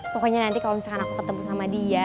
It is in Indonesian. pokoknya nanti kalau misalkan aku ketemu sama dia